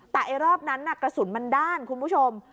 แต่ไอ้รอบนั้นกระสุนมันด้านคุณผู้ชม